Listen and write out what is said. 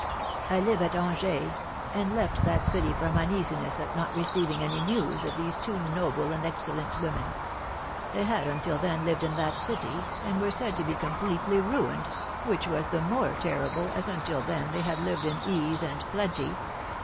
I live at Angers, and left that city from uneasiness at not receiving any news of these two noble and excellent women; they had until then lived in that city, and were said to be completely ruined, which was the more terrible as until then they had lived in ease and plenty."